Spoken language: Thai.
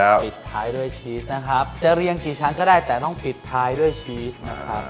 ใส่ขัวลงไปเพียงท้ายแค่พอมีกลิ่น